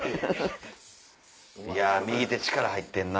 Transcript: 右手力入ってんな。